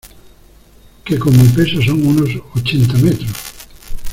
que con mi peso son unos ochenta metros.